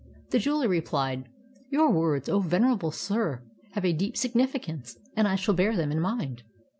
The jeweler replied: ''Your words, O venerable sir, have a deep significance, and I shall bear them in mind.